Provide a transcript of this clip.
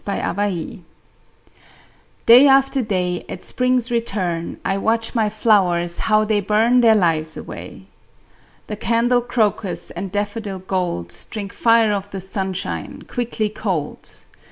THE FLOWERS Day after day, At spring's return, I watch my flowers, how they burn Their lives away. The candle crocus And daffodil gold Drink fire of the sunshine Quickly cold.